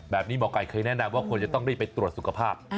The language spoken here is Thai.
หมอไก่เคยแนะนำว่าควรจะต้องรีบไปตรวจสุขภาพ